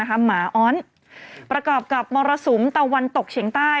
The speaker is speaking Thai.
หมาอ้อนประกอบกับมรสุมตะวันตกเฉียงใต้